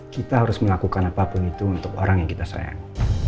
kita harus melakukan apapun itu untuk orang yang kita sayang